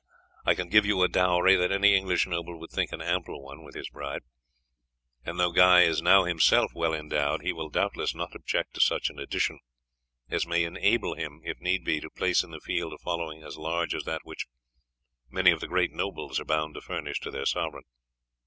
I can give you a dowry that any English noble would think an ample one with his bride; and though Guy is now himself well endowed he will doubtless not object to such an addition as may enable him, if need be, to place in the field a following as large as that which many of the great nobles are bound to furnish to their sovereign.